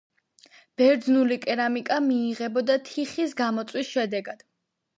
ბერძნული კერამიკა მიიღებოდა თიხის გამოწვის შედეგად.